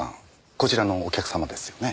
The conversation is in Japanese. こちらのお客様ですよね？